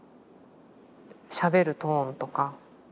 しゃべるトーンとか。